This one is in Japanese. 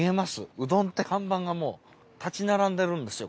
うどんって看板がもう立ち並んでるんですよ。